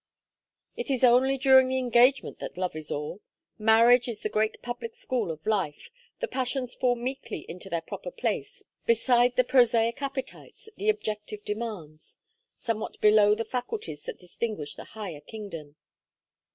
"It is only during the engagement that love is all. Marriage is the great public school of life; the passions fall meekly into their proper place beside the prosaic appetites, the objective demands; somewhat below the faculties that distinguish the higher kingdom."